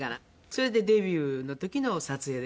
それでデビューの時の撮影ですね。